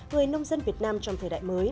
người nông dân việt nam trong thời đại mới